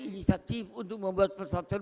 inisiatif untuk membuat persatuan